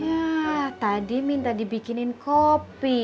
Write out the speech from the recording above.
ya tadi minta dibikinin kopi